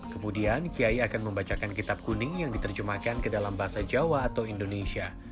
kemudian kiai akan membacakan kitab kuning yang diterjemahkan ke dalam bahasa jawa atau indonesia